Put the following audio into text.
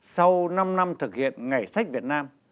sau năm năm thực hiện ngày sách việt nam